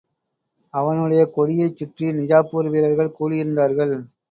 அவனுடைய கொடியைச்சுற்றி, நிஜாப்பூர் வீரர்கள் கூடியிருந்தார்கள்.